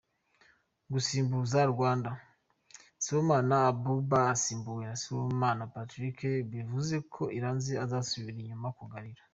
Gusimbuza Rwanda: Sibomana Abuba asimbuwe na Sibomana Patrick, bivuze ko Iranzi asubira inyuma kugarira.